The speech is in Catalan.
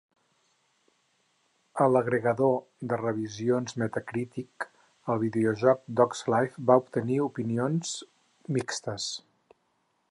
A l'agregador de revisions Metacritic, el videojoc "Dog's Life" va obtenir opinions "mixtes".